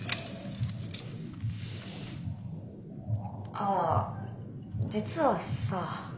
あぁ実はさ。